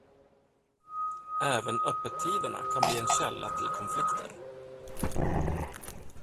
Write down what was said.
Även öppettiderna kan bli en källa till konflikter.